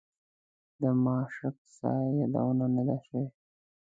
د ماشک سرای یادونه نه ده شوې.